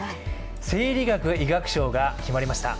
生理学・医学賞が決まりました。